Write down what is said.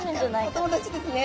お友達ですね。